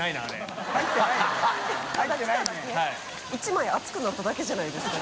泳厚くなっただけじゃないですか。